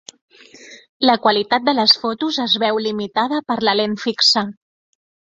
La qualitat de les fotos es veu limitada per la lent fixa.